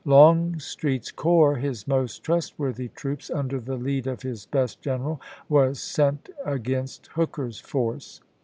Longstreet's corps, — his most trustworthy troops, under the lead of his best general, — was sent against Hooker's force.